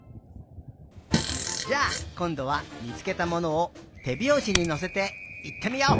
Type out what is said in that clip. じゃあこんどはみつけたものをてびょうしにのせていってみよう！